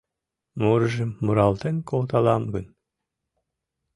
Мурыжым муралтен колталам гын